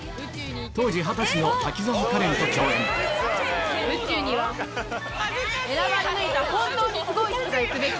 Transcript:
当時二十歳の滝沢カレンと共演宇宙には選ばれ抜いた本当にすごい人が行くべき。